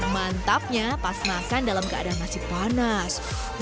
mantapnya pas makan dalam keadaan masih panas